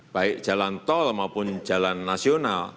baik jalan tol maupun jalan nasional